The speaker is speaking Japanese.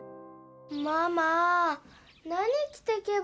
ママ何きてけばいいの？